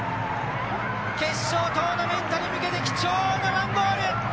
決勝トーナメントに向けて貴重なワンゴール。